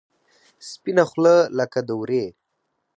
سپینه خوله لکه د ورې.